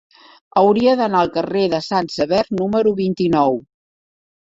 Hauria d'anar al carrer de Sant Sever número vint-i-nou.